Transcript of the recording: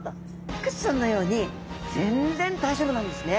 クッションのように全然大丈夫なんですね。